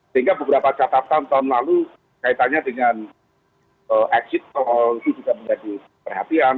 sehingga beberapa catatan tahun lalu kaitannya dengan exit tol itu juga menjadi perhatian